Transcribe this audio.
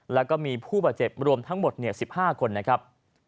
แล้วก็มีผู้บาดเจ็บรวมทั้งหมด๑๕คนนะครับ